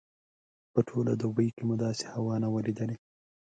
په ټوله دوبي کې مو داسې هوا نه وه لیدلې.